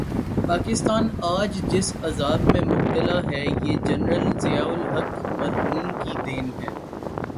پاکستان آج جس عذاب میں مبتلا ہے، یہ جنرل ضیاء الحق مرحوم کی دین ہے۔